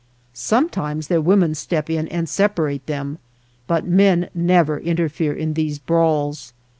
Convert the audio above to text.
Sometimes their women step in and separate them, but men never interfere in these brawls.